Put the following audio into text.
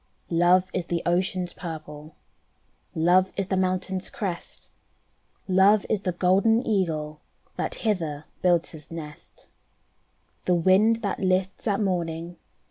Love is the ocean's purple, Love is the mountain's crest, Love is the golden Eagle That hither builds his nest. The wind that lists at morning.